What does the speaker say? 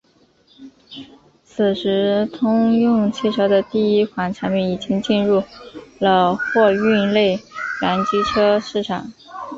此时通用汽车的第一款产品已经进入了货运内燃机车市场。